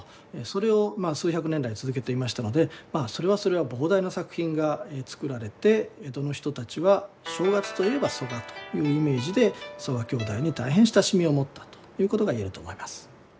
それを数百年来続けていましたのでそれはそれは膨大な作品が作られて江戸の人たちは「正月といえば曽我」というイメージで曽我兄弟に大変親しみを持ったということが言えると思います。